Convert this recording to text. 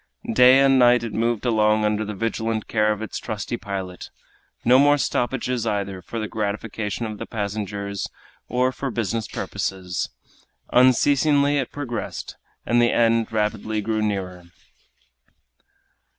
Day and night it moved along under the vigilant care of its trusty pilot; no more stoppages either for the gratification of the passengers or for business purposes. Unceasingly it progressed, and the end rapidly grew nearer.